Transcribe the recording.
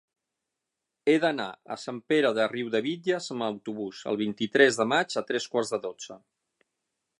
He d'anar a Sant Pere de Riudebitlles amb autobús el vint-i-tres de maig a tres quarts de dotze.